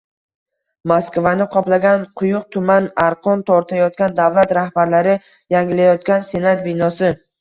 Moskvani qoplagan quyuq tuman, arqon tortayotgan davlat rahbarlari, yangilanayotgan Senat binosi